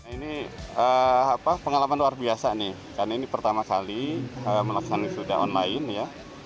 ini pengalaman luar biasa nih karena ini pertama kali melaksanakan wisuda online ya